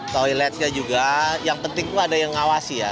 toiletnya juga yang penting tuh ada yang ngawasi ya